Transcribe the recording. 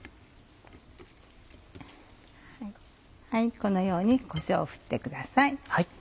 このようにこしょうを振ってください。